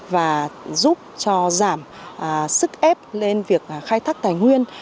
và giúp cho giảm sức ép lên việc khai thác tài nguyên